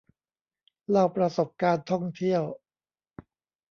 เล่าประสบการณ์ท่องเที่ยว